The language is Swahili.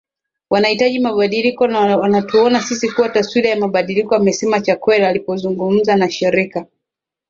Wanahitaji mabadiliko na wanatuona sisi kuwa taswira ya mabadiliko amesema Chakwera alipozungumza na shirika